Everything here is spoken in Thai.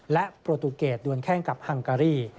และโปรตูเกรดดวนแข้งกับฮังการี